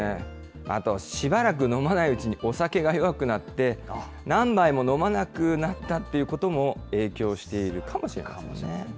あと、しばらく飲まないうちにお酒が弱くなって、何杯も飲まなくなったということも影響しているかもしれませんね。